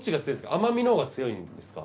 甘みのほうが強いんですか？